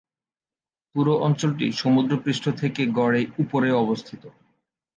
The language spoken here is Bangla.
পুরো অঞ্চলটি সমুদ্রপৃষ্ঠ থেকে গড়ে উপরে অবস্থিত।